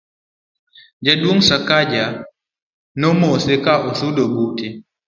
jaduong' Sakaja nomose ka osudo bute